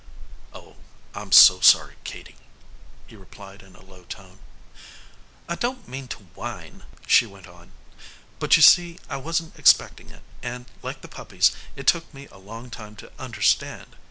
"Oh, I'm so sorry, Katie," he replied in a low tone. "I don't mean to whine," she went on, "but you see I wasn't expecting it, and, like the puppies, it took me a long time to understand.